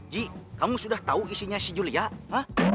ji kamu sudah tahu isinya si julia ah